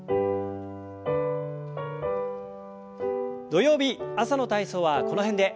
土曜日朝の体操はこの辺で。